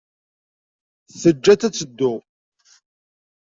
Teǧǧa-tt ad teddu.